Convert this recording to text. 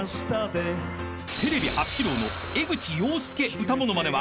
［テレビ初披露の江口洋介歌ものまねは］